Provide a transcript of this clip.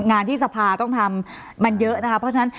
งานที่สภาต้องทำมันเยอะนะคะเพราะฉะนั้น